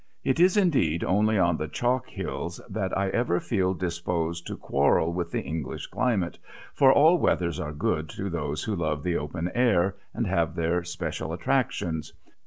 It is indeed only on the chalk hills that I ever feel disposed to quarrel with this English climate, for all weathers are good to those who love the open air, and have their special attractions.